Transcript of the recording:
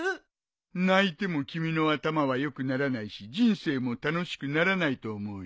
泣いても君の頭は良くならないし人生も楽しくならないと思うよ。